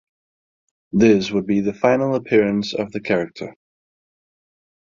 This would be the final appearance of the character.